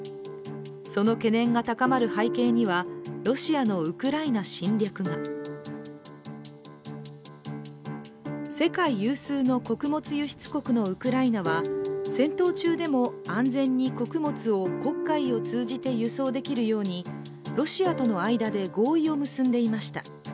その懸念が高まる背景にはロシアのウクライナ侵略が世界有数の穀物輸出国のウクライナは戦闘中でも安全に穀物を黒海を通じて輸送できるように、ロシアとの間で合意を結んでいました。